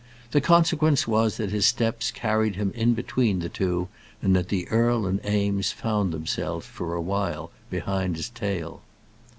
The consequence was that his steps carried him in between the two, and that the earl and Eames found themselves for a while behind his tail.